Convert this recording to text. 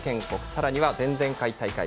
さらには前々回大会